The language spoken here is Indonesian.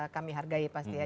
kami hargai pasti ya